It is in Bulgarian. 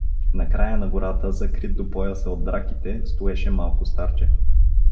На края на гората, закрит до пояса от драките, стоеше малко старче.